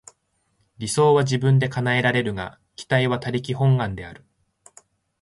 理想は自分で叶えられるが、期待は他力本願である。